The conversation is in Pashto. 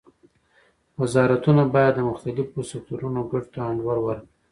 وزارتونه باید د مختلفو سکتورونو ګټو ته انډول ورکړي